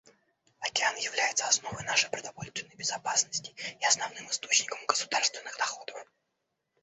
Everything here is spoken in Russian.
Океан является основой нашей продовольственной безопасности и основным источником государственных доходов.